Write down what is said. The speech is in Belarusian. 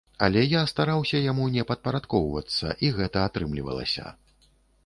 Але я стараўся яму не падпарадкоўвацца, і гэта атрымлівалася.